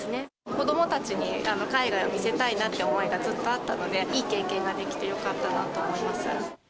子どもたちに海外を見せたいなっていう思いがずっとあったので、いい経験ができてよかったなと思います。